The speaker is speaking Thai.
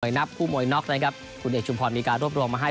รอยนับผู้มวยน็อคคุณเอกชุมพรมีการรวบรวมมาให้